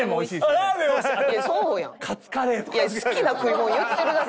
好きな食いもん言ってるだけ。